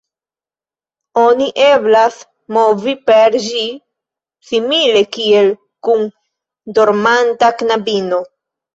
Oni eblas movi per ĝi simile kiel kun dormanta knabino.